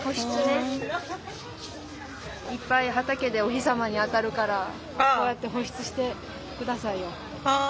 いっぱい畑でお日様に当たるからこうやって保湿して下さいよ。